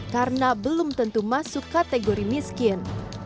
karena belum tentu masuk kategori miskin